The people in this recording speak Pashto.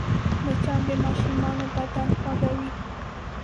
مچان د ماشومانو بدن خوږوي